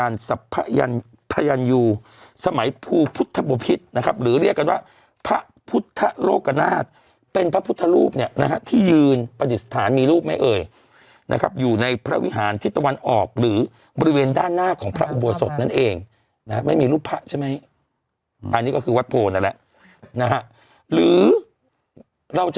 แล้วเดี๋ยวต่อไปอัดเทปนะ